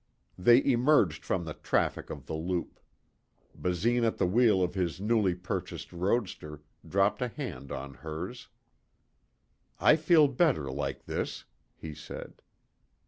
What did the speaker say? They emerged from the traffic of the loop. Basine at the wheel of his newly purchased roadster dropped a hand on hers. "I feel better like this," he said.